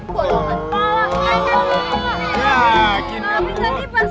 bolongan kepala kain kepala